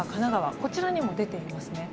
こちらにも出ていますね。